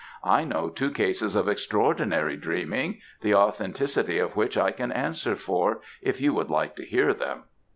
I know two cases of extraordinary dreaming, the authenticity of which I can answer for, if you would like to hear them."